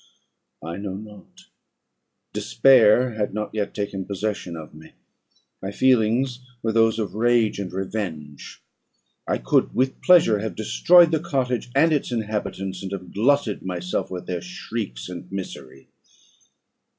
I know not; despair had not yet taken possession of me; my feelings were those of rage and revenge. I could with pleasure have destroyed the cottage and its inhabitants, and have glutted myself with their shrieks and misery.